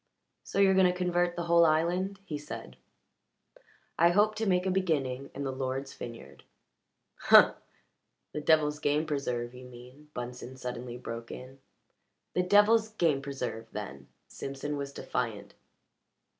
"So you're going to convert the whole island?" he said. "I hope to make a beginning in the Lord's vineyard." "Humph! The devil's game preserve, you mean," Bunsen suddenly broke in. "The devil's game preserve, then!" Simpson was defiant.